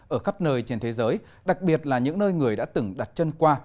ở khắp nơi trên thế giới đặc biệt là những nơi người đã từng đặt chân qua